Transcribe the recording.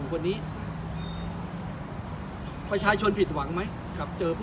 พวกมนุษย์ชนชนผิดหวังไหมครับเค้า